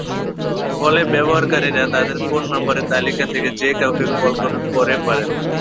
ফলে ব্যবহারকারীরা তাদের ফোন নম্বরের তালিকা থেকে যে কাউকে কল করে পারেন।